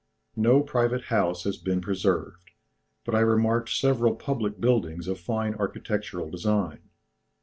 No private house has been preserved, but I remarked several public buildings of fine architectural design.